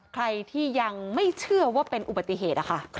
ใครที่ยังไม่เชื่อว่าเป็นอุบัติเหตุนะคะ